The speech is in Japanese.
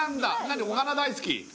何でお花大好き？